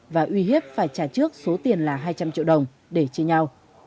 và uy hiếp phải trả trước số tiền là hai trăm linh triệu đồng để chia nhau